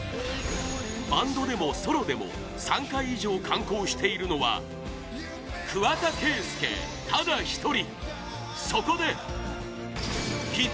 バンドでもソロでも３回以上、敢行しているのは桑田佳祐ただ１人！